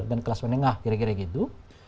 dan kelas menengah kira kira gitu